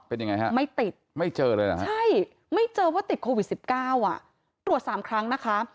เป็นอย่างไรครับไม่ติดใช่ไม่เจอว่าติดโควิด๑๙อ่ะตรวจ๓ครั้งนะคะ